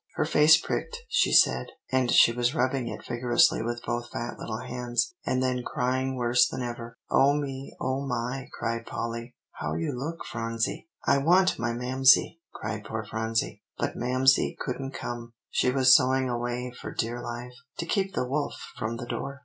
Her face pricked, she said; and she was rubbing it vigorously with both fat little hands, and then crying worse than ever. "O me O my!" cried Polly; "how you look, Phronsie!" "I want my Mamsie!" cried poor Phronsie. [Illustration: "I want my Mamsie!" cried poor Phronsie.] But Mamsie couldn't come. She was sewing away for dear life, to keep the wolf from the door.